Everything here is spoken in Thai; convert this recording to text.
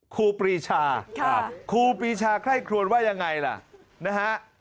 ครูปรีชาครูปรีชาไคร่ครวนว่ายังไงล่ะนะฮะ